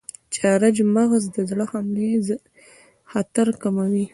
چارمغز د زړه حملې خطر کموي.